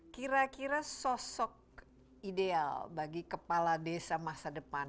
kira kira sosok ideal bagi kepala desa masa depan